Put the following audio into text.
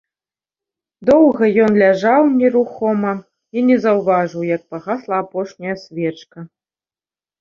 Доўга ён ляжаў нерухома і не заўважыў, як пагасла апошняя свечка.